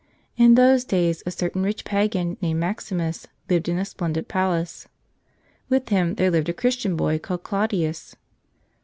In those days a certain rich pagan named Maximus lived in a splendid palace. With him there lived a Christian boy called Claudius.